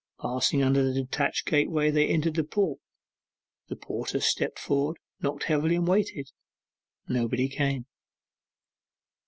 Passing under the detached gateway, they entered the porch. The porter stepped forward, knocked heavily and waited. Nobody came.